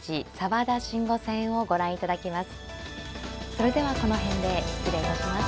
それではこの辺で失礼いたします。